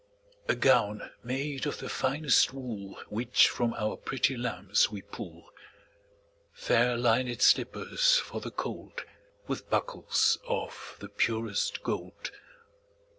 A gown made of the finest wool Which from our pretty lambs we pull; Fair linèd slippers for the cold, 15 With buckles of the purest gold.